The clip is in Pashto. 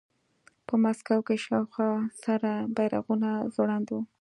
په مسکو کې شاوخوا سره بیرغونه ځوړند وو